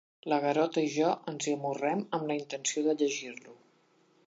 El Garota i jo ens hi amorrem amb la intenció de llegir-lo.